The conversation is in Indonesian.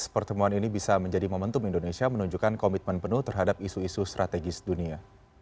pertemuan ini bisa menjadi momentum indonesia menunjukkan komitmen penuh terhadap isu isu strategis dunia